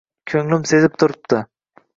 Ko‘nglim sezib turibdi...